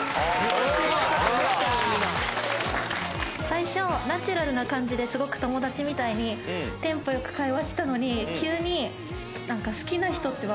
最初ナチュラルな感じですごく友達みたいにテンポ良く会話してたのに。